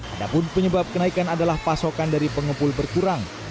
ada pun penyebab kenaikan adalah pasokan dari pengepul berkurang